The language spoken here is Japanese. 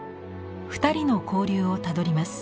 ２人の交流をたどります。